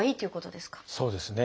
そうですね。